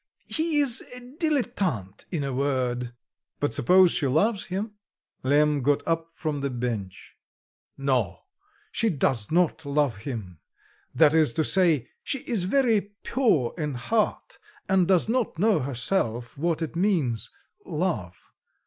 he is a dilettante, in a word." "But suppose she loves him" Lemm got up from the bench. "No, she does not love him, that is to say, she is very pure in heart, and does not know herself what it means... love.